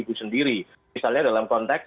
ibu sendiri misalnya dalam konteks